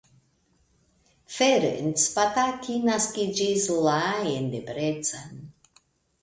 Ferenc Pataki naskiĝis la en Debrecen.